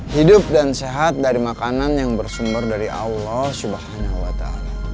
hidup dan sehat dari makanan yang bersumber dari allah subhanahu wa ta'ala